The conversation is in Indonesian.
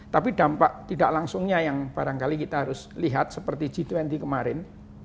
tapi dampak tidak langsungnya yang barangkali kita harus lihat seperti g dua puluh kemarin